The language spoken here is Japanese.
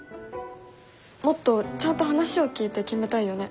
もっとちゃんと話を聞いて決めたいよね。